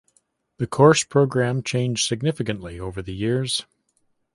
The course programme changed significantly over the years.